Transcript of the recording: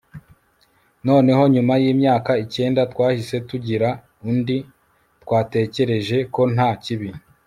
noneho nyuma yimyaka icyenda twahisemo kugira undi, twatekereje ko nta kibi